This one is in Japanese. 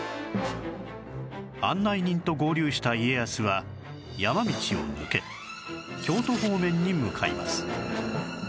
案内人と合流した家康は山道を抜け京都方面に向かいます